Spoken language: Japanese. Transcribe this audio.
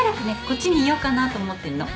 こっちにいようかなと思ってんの。